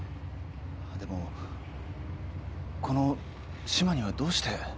でもこの志摩にはどうして？